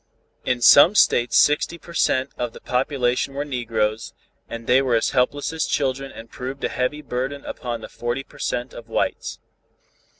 In some states sixty per cent. of the population were negroes, and they were as helpless as children and proved a heavy burden upon the forty per cent. of whites.